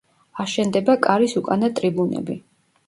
აშენდება კარის უკანა ტრიბუნები.